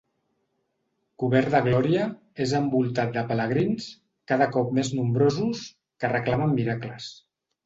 Cobert de glòria, és envoltat de pelegrins, cada cop més nombrosos, que reclamen miracles.